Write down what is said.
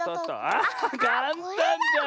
あかんたんじゃん！